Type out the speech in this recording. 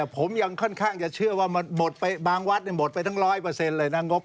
ผมยังค่อนข้างจะเชื่อว่าบางวัดหมดไปทั้ง๑๐๐เลยนะ